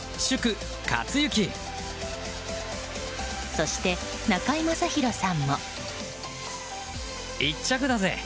そして、中居正広さんも。